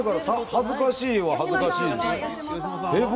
恥ずかしい、恥ずかしい。